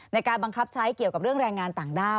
ในการบังคับใช้เกี่ยวกับเรื่องแรงงานต่างด้าว